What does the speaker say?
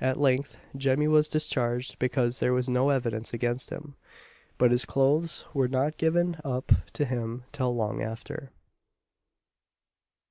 At length Jemmy was discharged because there was no evidence against him; but his clothes were not given up to him till long after.